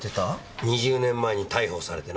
２０年前に逮捕されてな。